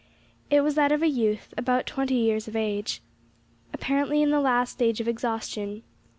It was that of a youth, of about twenty years of age, apparently in the last stage of exhaustion.